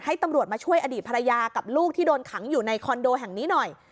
ตำรวจมาช่วยอดีตภรรยากับลูกที่โดนขังอยู่ในคอนโดแห่งนี้หน่อย